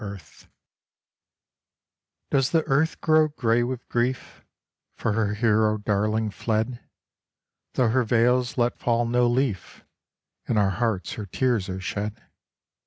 40 itr uf DOES the earth grow grey with grief For her hero darling fled? Though her vales let fall no leaf, In our hearts her tears are shed.